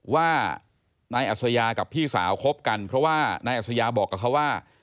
ว่านายอัศยากับพี่สาวคบกันเพราะว่านายอัศยาบอกกับเขาว่า